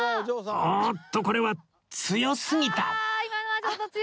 おっとこれは強すぎた